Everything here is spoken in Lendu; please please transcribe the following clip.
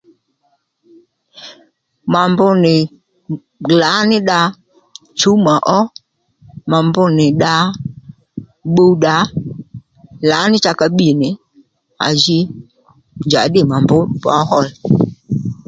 Mà mbr nì lǎ ní dda chǔw mà ó mà mbr nì dda bbuw dda lǎní cha ka bbî nì à ji njà ddî mà mbrř bowáhol